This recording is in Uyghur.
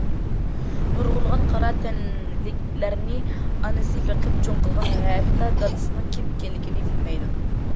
نۇرغۇنلىغان قارا تەنلىكلەرنى ئانىسى بېقىپ چوڭ قىلغان، ھەتتا دادىسىنىڭ كىم ئىكەنلىكىنى بىلمەيدۇ.